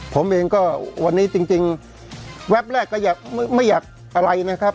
ผมเองก็วันนี้จริงแวบแรกก็ไม่อยากอะไรนะครับ